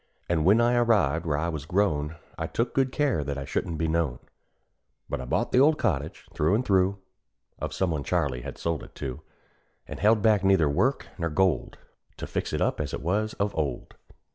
And when I arrived where I was grown, I took good care that I shouldn't be known; But I bought the old cottage, through and through, Of some one Charley had sold it to; And held back neither work nor gold, To fix it up as it was of old.